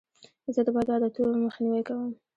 زه د بدو عادتو مخنیوی کوم.